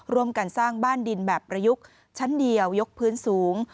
ร่วมกันสร้างบ้านดินแบบประยุกต์ชั้นเดียวยกพื้นสูง